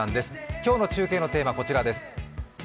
今日の中継のテーマは、こちらです